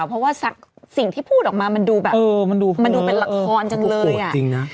เพราะว่าสักสิ่งที่พูดออกมามันดูแบบมันดูเป็นหลักฐานจังเลยอ่ะ